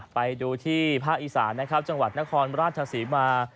ไปดูที่ภาคอีสานจังหวัดนครราชสีมา